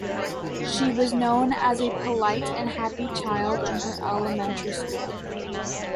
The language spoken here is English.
She was known as a polite and happy child in her elementary school.